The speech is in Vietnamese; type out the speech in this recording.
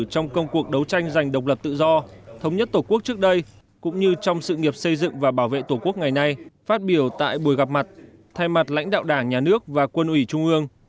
trong công cuộc đấu tranh giành độc lập tự do thống nhất tổ quốc trước đây cũng như trong sự nghiệp xây dựng và bảo vệ tổ quốc ngày nay phát biểu tại buổi gặp mặt thay mặt lãnh đạo đảng nhà nước và quân ủy trung ương